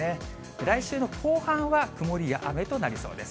来週の後半は、曇りや雨となりそうです。